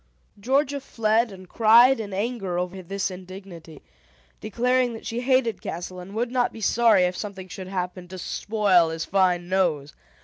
Georgia fled, and cried in anger over this indignity, declaring that she hated Castle and would not be sorry if something should happen to spoil his fine nose.